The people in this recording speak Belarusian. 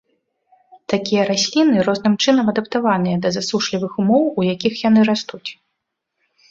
Такія расліны розным чынам адаптаваныя да засушлівых умоў, у якіх яны растуць.